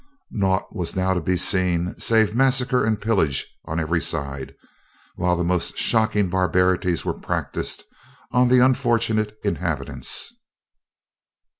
Naught was now to be seen, save massacre and pillage on every side, while the most shocking barbarities were practised on the unfortunate inhabitants.